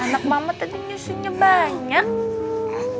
anak mama tadi nyusunnya banyak